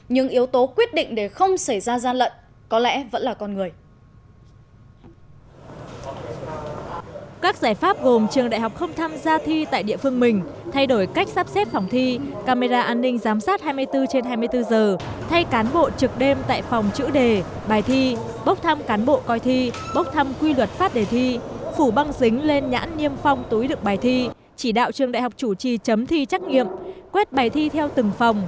nhưng yếu tố quyết định để không xảy ra gian lận có lẽ vẫn là con người